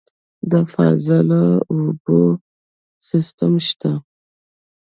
د فاضله اوبو سیستم شته؟